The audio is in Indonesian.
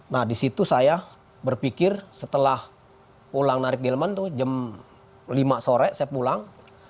nah disitu saya berpikir setelah pulang narik delman itu jam lima sore saya pulang